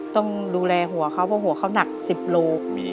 ต้องดูแลหัวเขาเพราะหัวเขาหนัก๑๐โล